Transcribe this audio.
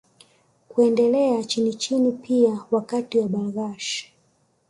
Kuendelea chinichini pia Wakati wa Bargash